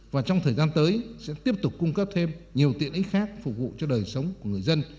và trong thời gian tới sẽ tiếp tục cung cấp thêm nhiều tiện ích khác phục vụ cho đời sống của người dân